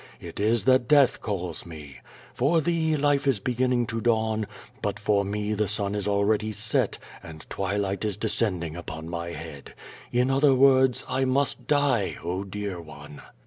It is that death calls me. For thee, life is beginning to dawji; but for me. the sun is already set, and twilight is descending upon my head. In other words, I must die, oh, dear one!